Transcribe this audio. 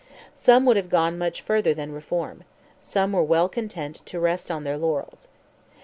Some would have gone much further than reform; some were well content to rest on their laurels.